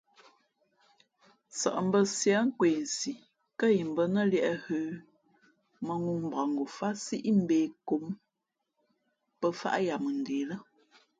Sαʼmbᾱsiē ά kwesi kά imbᾱ nά liēʼ hə̌, mᾱŋū mbakngofāt sípeʼ kom pαfāʼ yamende lά.